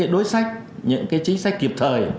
đến hai mươi hai năm